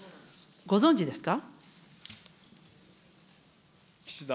ご存じですか。